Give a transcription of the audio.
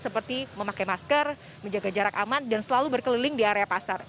seperti memakai masker menjaga jarak aman dan selalu berkeliling di area pasar